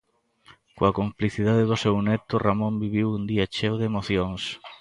Coa complicidade do seu neto Ramón viviu un día cheo de emocións.